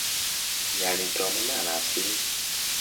یانی تۆ من ناناسی؟